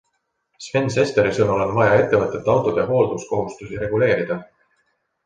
Sven Sesteri sõnul on vaja ettevõtete autode hoolduskohustusi reguleerida.